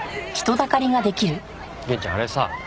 源ちゃんあれさ。